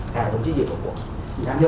cải thống chính trị của việt nam